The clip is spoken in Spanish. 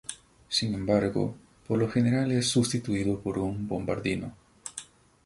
Sin embargo, por lo general es sustituido por un bombardino.